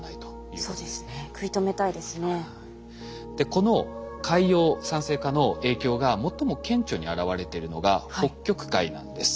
この海洋酸性化の影響が最も顕著に表れてるのが北極海なんです。